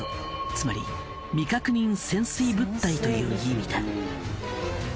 つまり未確認潜水物体という意味だ。